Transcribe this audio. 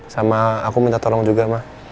sama aku minta tolong juga mah